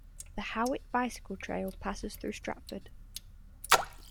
The Howitt Bicycle Trail passes through Stratford.